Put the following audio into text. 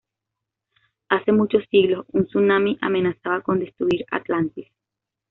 Hace muchos siglos, un tsunami amenazaba con destruir Atlantis.